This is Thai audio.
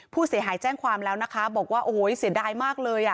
ผู้เสียหายแจ้งความแล้วนะคะบอกว่าโอ้โหเสียดายมากเลยอ่ะ